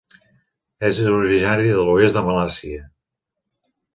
És originari de l'oest de Malàisia.